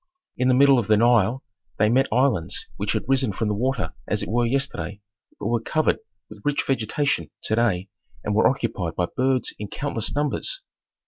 In the middle of the Nile they met islands which had risen from the water as it were yesterday, but were covered with rich vegetation to day and were occupied by birds in countless numbers.